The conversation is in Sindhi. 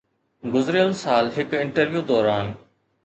گذريل سال هڪ انٽرويو دوران